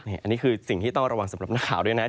อันนี้คือสิ่งที่ต้องระวังสำหรับนักข่าวด้วยนะ